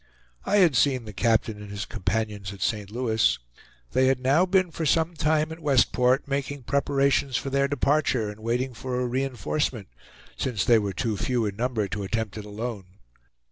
I had seen the captain and his companions at St. Louis. They had now been for some time at Westport, making preparations for their departure, and waiting for a re enforcement, since they were too few in number to attempt it alone.